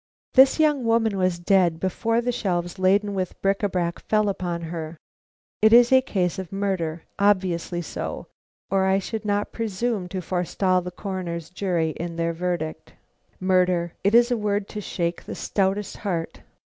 This young woman was dead before the shelves laden with bric à brac fell upon her. It is a case of murder; obviously so, or I should not presume to forestall the Coroner's jury in their verdict." Murder! it is a word to shake the stoutest heart!